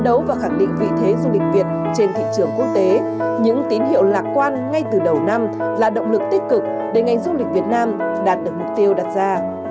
đấu và khẳng định vị thế du lịch việt trên thị trường quốc tế những tín hiệu lạc quan ngay từ đầu năm là động lực tích cực để ngành du lịch việt nam đạt được mục tiêu đặt ra